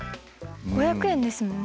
５００円ですもんね。